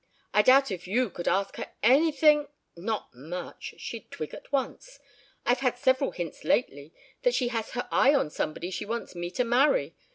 I doubt if you could ask her anything " "Not much. She'd twig at once. I've had several hints lately that she has her eye on somebody she wants me to marry.